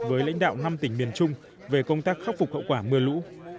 với lãnh đạo năm tỉnh miền trung về công tác khắc phục hậu quả mưa lũ